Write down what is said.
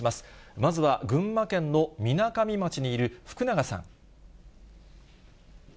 まずは群馬県のみなかみ町にいる福永さん。